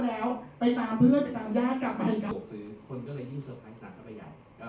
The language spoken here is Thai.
ส่วนส่วนสุดสุดคนก็เลยยืนเซอร์ไพรส์หน้าเข้าไปใหญ่